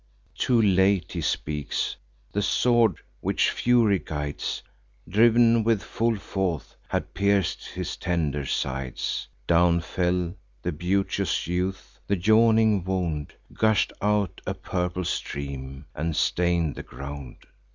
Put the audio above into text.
Too late he speaks: the sword, which fury guides, Driv'n with full force, had pierc'd his tender sides. Down fell the beauteous youth: the yawning wound Gush'd out a purple stream, and stain'd the ground.